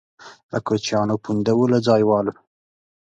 له کوچیانو پونده وو له ځایوالو.